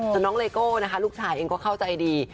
ส่วนน้องเลโก้นะคะลูกชายเองก็เข้าใจดี